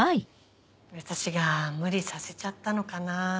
私が無理させちゃったのかなぁ。